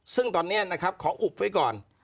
ซึ่งตอนนี้นะครับขออุบไว้ก่อน